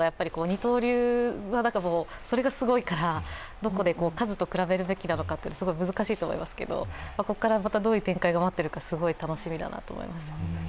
二刀流、それがすごいから、どこで数と比べるべきなのかすごい難しいと思いますけれども、ここからどういう展開が待っているかすごい楽しみだと思いました。